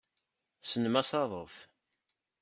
Tessnem asaḍuf.